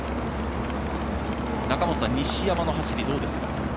中本さん西山の走り、どうですか？